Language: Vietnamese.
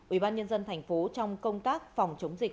ubnd tp trong công tác phòng chống dịch